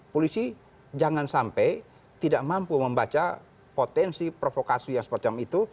polisi jangan sampai tidak mampu membaca potensi provokasi yang semacam itu